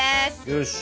よし。